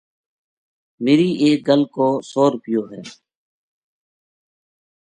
میری ایک گل کو سو رپیو ہے